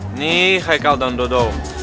ini haikal dan dodot